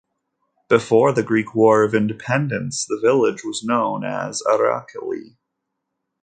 Before the Greek War of Independence the village was known as Arakli.